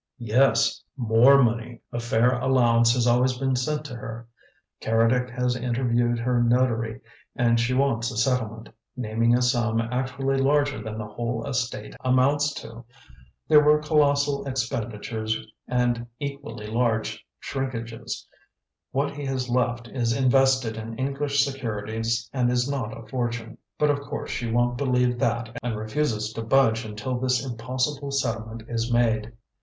"Yes, MORE money; a fair allowance has always been sent to her. Keredec has interviewed her notary and she wants a settlement, naming a sum actually larger than the whole estate amounts to. There were colossal expenditures and equally large shrinkages; what he has left is invested in English securities and is not a fortune, but of course she won't believe that and refuses to budge until this impossible settlement is made.